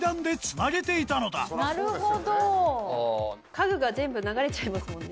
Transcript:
家具が全部流れちゃいますもんね。